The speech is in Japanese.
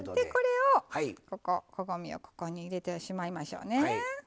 これをこここごみをここに入れてしまいましょうね。